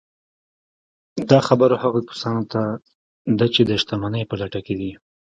دا خبره هغو کسانو ته ده چې د شتمنۍ په لټه کې دي